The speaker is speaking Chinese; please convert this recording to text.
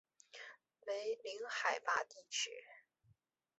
为零海拔地区。